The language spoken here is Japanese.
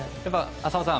浅尾さん